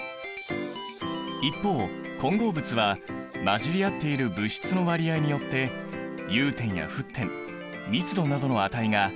一方混合物は混じり合っている物質の割合によって融点や沸点密度などの値が変化するんだ。